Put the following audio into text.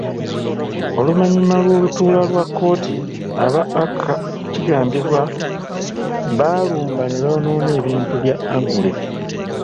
Oluvannyuma lw'olutuula lwa kkooti, abantu ba Acer kigambibwa baalumba ne bonoona ebintu bya ba Angule.